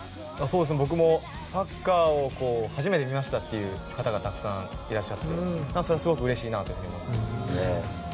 僕も、サッカーを初めて見ましたという方がたくさんいらっしゃってそれはすごくうれしいなと思います。